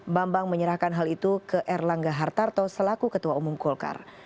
bambang menyerahkan hal itu ke erlangga hartarto selaku ketua umum golkar